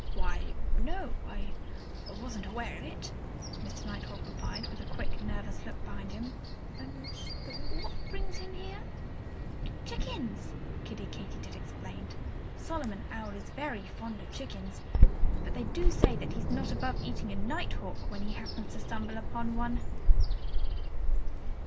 "Why, no! I wasn't aware of that," Mr. Nighthawk replied with a quick, nervous look behind him. "What brings him here?" "Chickens!" Kiddie Katydid explained. "Solomon Owl is very fond of chickens. But they do say that he's not above eating a nighthawk when he happens to stumble upon one."